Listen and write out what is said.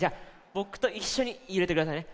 ぼくといっしょにゆれてくださいね。